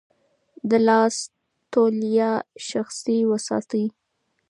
د لاس توليه شخصي وساتئ.